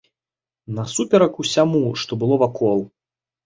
Насуперак усяму, што было вакол.